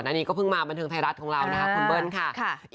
อันนี้ก็เพิ่งมาบันเทิงไทยรัฐของเรานะคะคุณเบิ้ลค่ะ